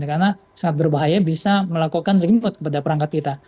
karena sangat berbahaya bisa melakukan remote kepada perangkat kita